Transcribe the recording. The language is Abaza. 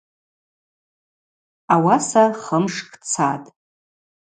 Ауаса хымшкӏ цатӏ.